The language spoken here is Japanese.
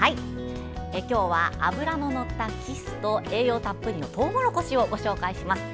今日は脂ののった、キスと栄養たっぷりのトウモロコシをご紹介します。